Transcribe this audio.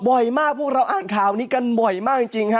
บ่อยมากพวกเราอ่านข่าวนี้กันบ่อยมากจริงฮะ